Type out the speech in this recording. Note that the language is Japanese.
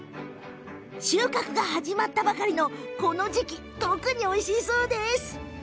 収穫が始まったばかりのこの時期特においしいそうです。